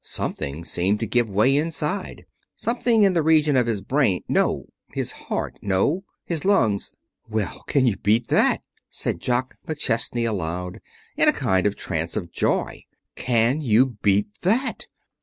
Something seemed to give way inside something in the region of his brain no, his heart no, his lungs "Well, can you beat that!" said Jock McChesney aloud, in a kind of trance of joy. "Can you beat that!"